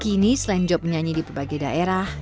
kini selain job menyanyi di berbagai daerah